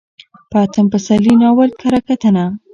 په اتم پسرلي ناول کره کتنه: